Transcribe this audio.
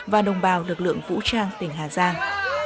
và đồng bào lực lượng vũ trang tỉnh hà giang